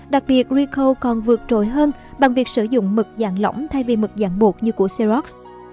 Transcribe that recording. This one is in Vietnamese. đặc biệt rico còn vượt trội hơn bằng việc sử dụng mực dạng lỏng thay vì mực dạng bột như của seos